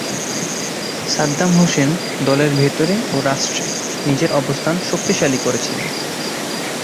Saddam Hussein দলের ভেতরে ও রাষ্ট্রে নিজের অবস্থান শক্তিশালী করেছিলেন।